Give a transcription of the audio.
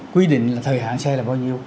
quy định là thời hạn xe là bao nhiêu